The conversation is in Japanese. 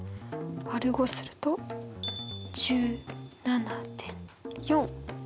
÷５すると１７．４。